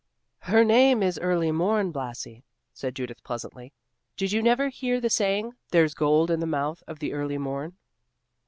"Her name is Early Morn, Blasi," said Judith pleasantly. "Did you never hear the saying, 'There's gold in the mouth of the early morn.'"